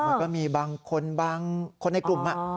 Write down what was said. มันก็มีบางคนบางคนในกลุ่ม